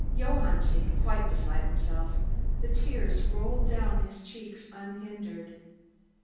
Johann seemed quite beside himself, the tears rolled down his cheeks unhindered.